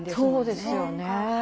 そうですよね。